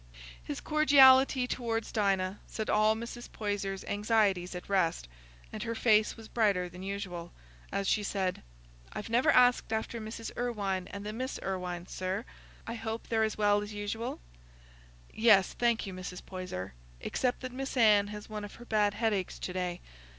His cordiality towards Dinah set all Mrs. Poyser's anxieties at rest, and her face was brighter than usual, as she said, "I've never asked after Mrs. Irwine and the Miss Irwines, sir; I hope they're as well as usual." "Yes, thank you, Mrs. Poyser, except that Miss Anne has one of her bad headaches to day.